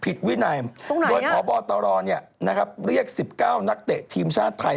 ผิดวินัยโดยพตเนี่ยเรียกสิบเก้านักเตะทีมชาติไทย